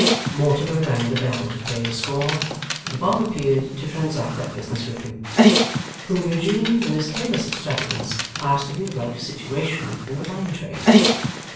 Mortimer rang the bell to pay the score, and Bob appeared to transact that business with him: whom Eugene, in his careless extravagance, asked if he would like a situation in the lime trade?